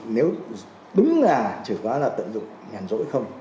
nếu đúng là chữ đó là tận dụng nhàn rỗi không